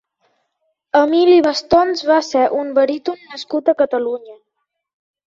Emili Bastons va ser un baríton nascut a Catalunya.